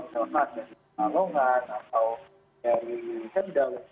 misalkan dari kuala lumpur atau dari kedah